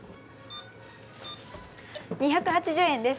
２８０円です。